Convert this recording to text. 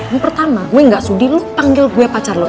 yang pertama gue gak sudi lo panggil gue pacar lo